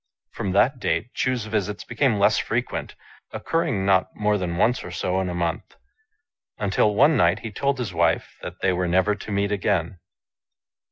From that date Chu's visits became less frequent, occurring not more than once or so in a month ; until one night he told his wife that they were never to meet again.